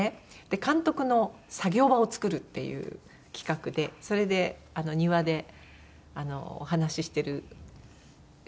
監督の作業場を作るっていう企画でそれで庭でお話ししてる瞬間ですね。